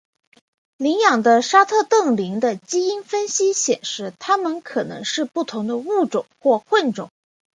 驯养的沙特瞪羚的基因分析显示它们有可能是不同的物种或混种。